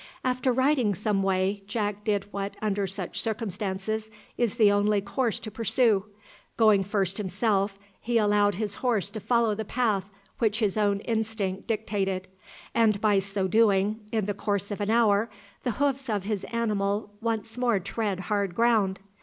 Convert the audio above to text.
After riding some way, Jack did what under such circumstances is the only course to pursue. Going first himself, he allowed his horse to follow the path which his own instinct dictated; and by so doing, in the course of an hour the hoofs of his animal once more trod hard ground.